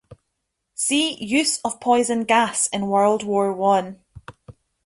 See Use of poison gas in World War One.